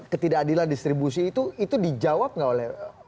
ketidakadilan distribusi itu itu dijawab gak oleh pak jokowi menurut anda